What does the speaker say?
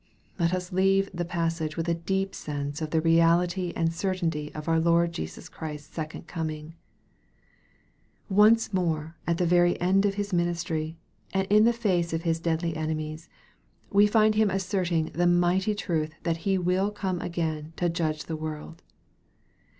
Let us leave the passage with a deep sense of the reality and certainty of our Lord Jesus Christ's second coming. Once more at the very end of His ministry, and in the face of His deadly enemies, we find Him asserting the mighty truth that He will come again to judge the world.